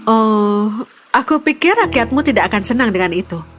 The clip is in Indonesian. oh aku pikir rakyatmu tidak akan senang dengan itu